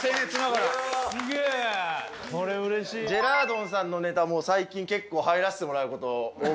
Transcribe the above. ジェラードンさんのネタも最近結構入らせてもらう事多くなってきたんで。